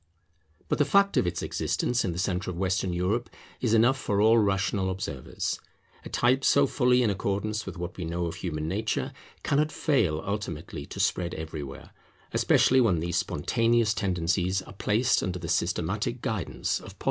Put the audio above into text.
But the fact of its existence in the centre of Western Europe is enough for all rational observers. A type so fully in accordance with what we know of human nature cannot fail ultimately to spread everywhere, especially when these spontaneous tendencies are placed under the systematic guidance of Positivism.